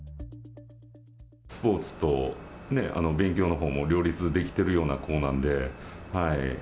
スポーツと勉強のほうも、両立できてるような子なんで。